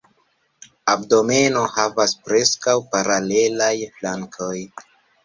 Abdomeno havas preskaŭ paralelaj flankoj.